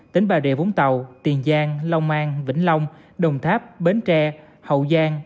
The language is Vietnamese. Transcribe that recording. tỉnh bà rịa vũng tàu tiền giang long an vĩnh long đồng tháp bến tre hậu giang